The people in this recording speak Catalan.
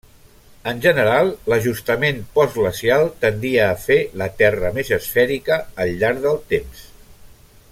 En general, l'ajustament postglacial tendia a fer la Terra més esfèrica al llarg del temps.